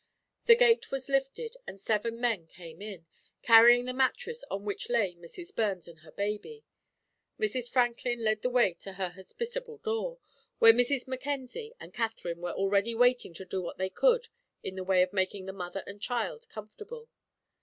The gate was lifted and seven men came in, carrying the mattress on which lay Mrs. Burns and her baby. Mrs. Franklin led the way to her hospitable door, where Mrs. Mackenzie and Katherine were already waiting to do what they could in the way of making the mother and child comfortable.